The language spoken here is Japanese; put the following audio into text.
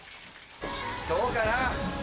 どうかな？